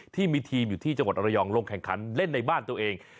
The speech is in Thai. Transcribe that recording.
ที่มีทีมอยู่ที่จังหวัดระยองลงแข่งขันเล่นในบ้านตัวเอง